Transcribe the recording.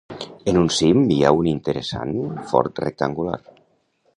En un cim hi ha un interessant fort rectangular.